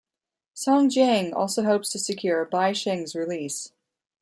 Song Jiang also helps to secure Bai Sheng's release.